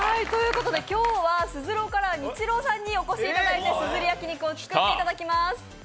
今日はＳＵＺＵＲＯからニッチローさんにお越しいただいてすずり焼肉を作っていただきます。